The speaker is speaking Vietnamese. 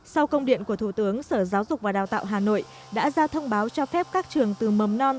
sau công điện của thủ tướng sở giáo dục và đào tạo hà nội đã ra thông báo cho phép các trường từ mầm non